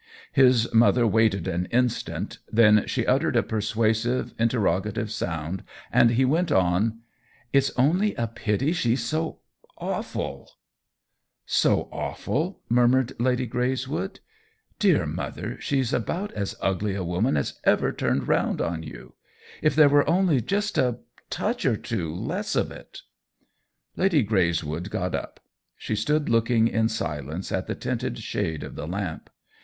His mother waited an instant, then she uttered a persuasive, interrogative sound, and he went on :" It's only a pity she's so awful !"" So awful ?" murmured Lady GYeyswood. 28 THE WHEEL OF TIME "Dear mother, she's about as ugly a woman as ever turned round on you. If there were only just a touch or two less of it!" Lady Greyswood got up ; she stood look ing in silence at the tinted shade of the lamp.